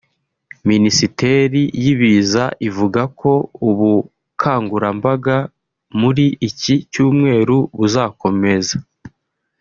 Minisiteri y’Ibiza ivuga ko ubukangurambaga muri iki cyumweru buzakomeza